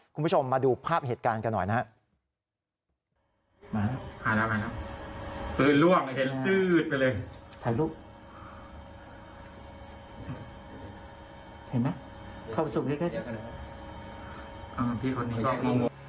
คุณผู้ชมมาดูภาพเหตุการณ์กันหน่อยนะครับ